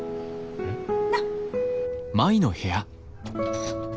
なっ。